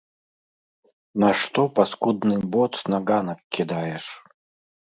Нашто паскудны бот на ганак кідаеш?